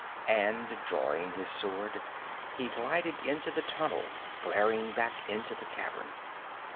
And drawing his sword, he glided into the tunnel, glaring back into the cavern.